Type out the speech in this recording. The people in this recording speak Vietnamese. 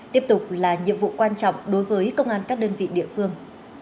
tiếp tục là nhiệm vụ quan trọng đối với công an các đơn vị địa phương